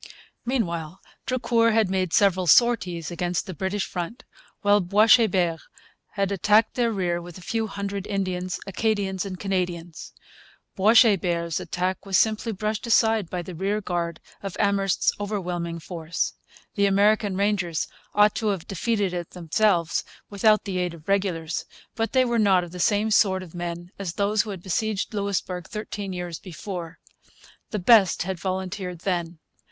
Meanwhile Drucour had made several sorties against the British front, while Boishebert had attacked their rear with a few hundred Indians, Acadians, and Canadians. Boishebert's attack was simply brushed aside by the rearguard of Amherst's overwhelming force. The American Rangers ought to have defeated it themselves, without the aid of regulars. But they were not the same sort of men as those who had besieged Louisbourg thirteen years before. The best had volunteered then.